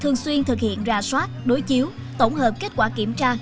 thường xuyên thực hiện ra soát đối chiếu tổng hợp kết quả kiểm tra